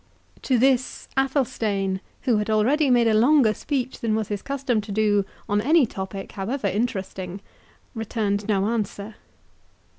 To this Athelstane, who had already made a longer speech than was his custom to do on any topic, however interesting, returned no answer.